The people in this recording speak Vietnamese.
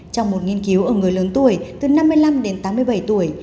trong một nghiên cứu ở người lớn tuổi từ năm mươi năm đến tám mươi bảy tuổi